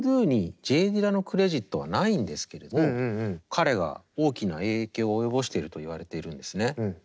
「Ｖｏｏｄｏｏ」にＪ・ディラのクレジットはないんですけれども彼が大きな影響を及ぼしているといわれているんですね。